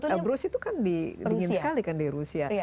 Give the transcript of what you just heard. elbrus itu kan dingin sekali kan di rusia